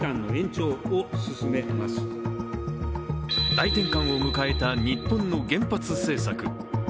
大転換を迎えた日本の原発政策。